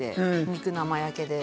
肉生焼けで。